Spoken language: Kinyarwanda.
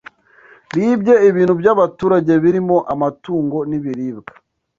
Bibye ibintu by’abaturage birimo amatungo n’ibiribwa